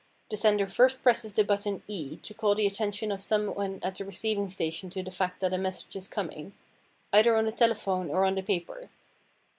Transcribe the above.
The sender first presses the button E to call the attention of some one at the receiving station to the fact that a message is coming, either on the telephone or on the paper.